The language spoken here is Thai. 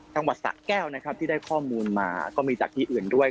จังหวัดสะแก้วนะครับที่ได้ข้อมูลมาก็มีจากที่อื่นด้วย